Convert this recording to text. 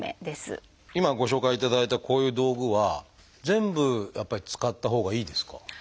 今ご紹介いただいたこういう道具は全部やっぱり使ったほうがいいですか？